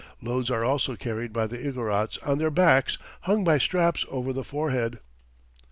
Loads are also carried by the Igorots on their backs, hung by straps over the forehead.